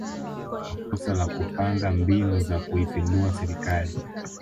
kwa kosa la kupanga mbinu za kuipindua serikali